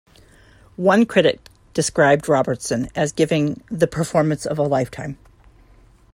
One critic described Robertson as giving 'the performance of a lifetime'.